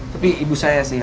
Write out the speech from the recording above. tapi ibu saya sih